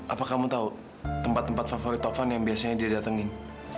apa kamu tahu tempat tempat favorit tovan yang biasanya dia datengin